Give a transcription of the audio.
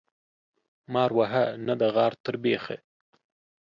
مار وهه ، نه د غار تر بيخه.